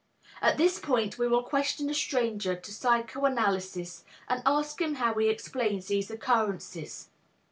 At this point, we will question a stranger to psychoanalysis and ask him how he explains these occurrences.